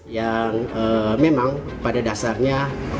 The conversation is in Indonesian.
yang memang pada dasarnya